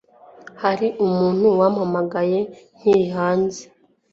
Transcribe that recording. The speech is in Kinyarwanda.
hari umuntu wampamagaye nkiri hanze